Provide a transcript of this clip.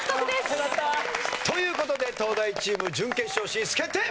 よかった！という事で東大チーム準決勝進出決定！